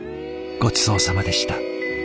ごちそうさまでした。